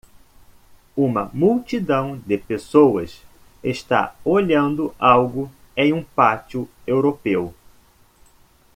Uma multidão de pessoas está olhando algo em um pátio europeu.